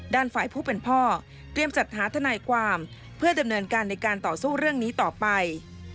ด้านฝ่ายผู้เป็นพ่อเตรียมจัดหาทนายความเพื่อดำเนินการในการต่อสู้เรื่องนี้ต่อไป